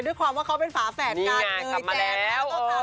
ด้วยความว่าเขาเป็นฝาแฝดการเงยแตน